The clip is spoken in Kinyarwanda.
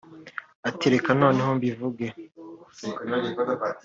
ati “Reka noneho mbivuge